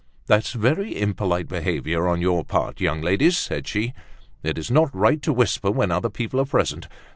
"That's very impolite behavior on your part, young ladies," said she. "It is not right to whisper when other people are present.